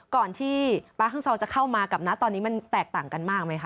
ก่อนที่ป๊าฮังซองจะเข้ามากับณตอนนี้มันแตกต่างกันมากไหมคะ